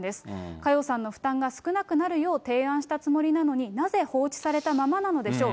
佳代さんの負担が少なくなるよう提案したつもりなのに、なぜ放置されたままなのでしょう。